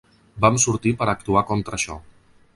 Vam sortir per actuar contra això.